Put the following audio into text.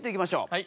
はい。